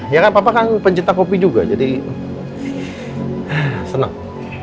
ya kan papa kan pencinta kopi juga jadi senang